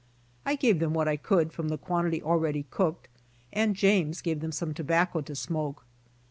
I gave what I could from the quantity already cooked, and James gave them some tobacco to smoke.